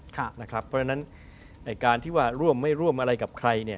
เพราะฉะนั้นการที่ว่าร่วมไม่ร่วมอะไรกับใคร